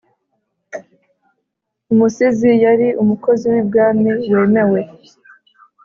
umusizi yari umukozi w'ibwami wemewe,